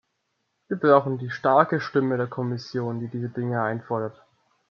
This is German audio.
Wir brauchen die starke Stimme der Kommission, die diese Dinge einfordert.